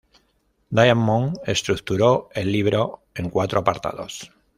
Diamond estructuró el libro en cuatro apartados.